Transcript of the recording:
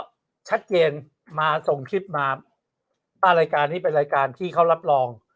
ก็ชัดเจนมาส่งคลิปมาว่ารายการนี้เป็นรายการที่เขารับรอง